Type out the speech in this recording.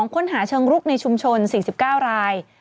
ค้นหาเชิงรุกในชุมชน๔๙ราย